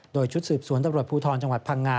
โดยชุดสืบสวนตำรวจภูทรจังหวัดพังงา